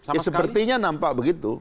ya sepertinya nampak begitu